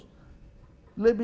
masih ada yang ngambil untung lagi